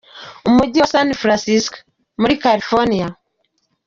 Umujyi wa San Francisco muri California.